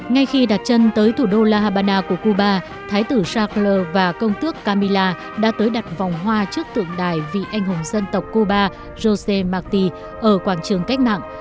ngay khi đặt chân tới thủ đô la habana của cuba thái tử shackler và công tước camila đã tới đặt vòng hoa trước tượng đài vị anh hùng dân tộc cuba josé martí ở quảng trường cách mạng